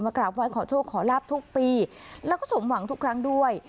กราบไห้ขอโชคขอลาบทุกปีแล้วก็สมหวังทุกครั้งด้วย